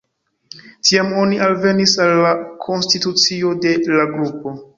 Tiam oni alvenis al la konstitucio de la grupo.